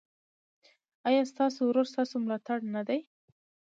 ایا ستاسو ورور ستاسو ملاتړ نه دی؟